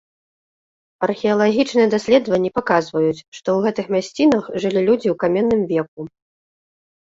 Археалагічныя даследаванні паказваюць, што ў гэтых мясцінах жылі людзі ў каменным веку.